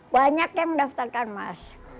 banyak yang mendaftarkan mas